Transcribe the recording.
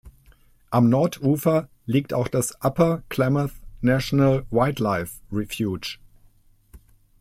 Am Nordufer liegt auch das Upper Klamath National Wildlife Refuge.